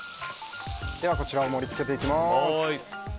こちらを盛り付けていきます。